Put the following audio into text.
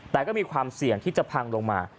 แต่ก็มีความเสี่ยงที่จะพังลงมา